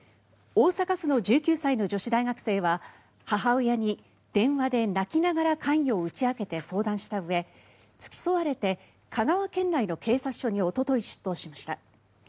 大阪府の１９歳の女子大学生は母親に電話で泣きながら関与を打ち明けて相談したうえ付き添われて香川県内の警察署におととい出頭しました。